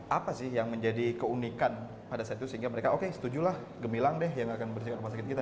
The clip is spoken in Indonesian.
apa sih yang menjadi keunikan pada saat itu sehingga mereka oke setujulah gemilang deh yang akan membersihkan rumah sakit kita